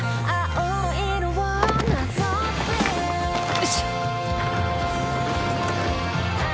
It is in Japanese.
よいしょ